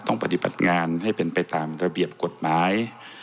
ต้องปฏิบัติงานให้เป็นไปตามระเบียบกฎหมาย